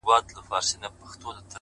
سوال کوم کله دي ژړلي گراني ؛